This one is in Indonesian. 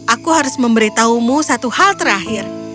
aku harus memberitahumu satu hal terakhir